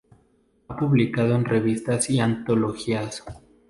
Ha publicado en revistas y antologías.